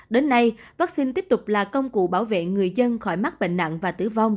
đến nay vaccine tiếp tục là công cụ bảo vệ người dân khỏi mắc bệnh nặng và tử vong